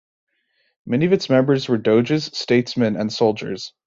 Many of its members were doges, statesmen, and soldiers.